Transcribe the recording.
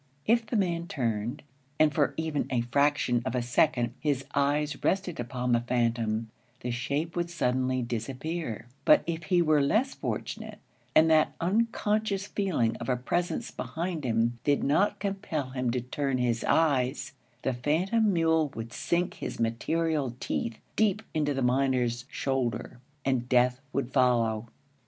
If the man turned, and for even a fraction of a second his eyes rested upon the phantom, the shape would suddenly disappear; but if he were less fortunate, and that unconscious feeling of a presence behind him did not compel him to turn his eyes, the phantom mule would sink his material teeth deep into the miner's shoulder; and death would follow.